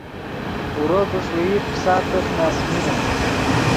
اورو کہ ݰوئیت پیسا تخ نے اَسۡمینے